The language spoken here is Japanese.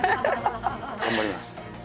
頑張ります